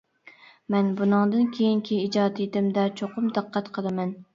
مەن بۇنىڭدىن كېيىنكى ئىجادىيىتىمدە چوقۇم دىققەت قىلىمەن.